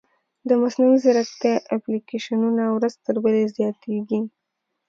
د مصنوعي ځیرکتیا اپلیکیشنونه ورځ تر بلې زیاتېږي.